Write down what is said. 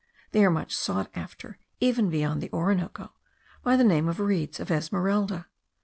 They are much sought after, even beyond the Orinoco, by the name of reeds of Esmeralda.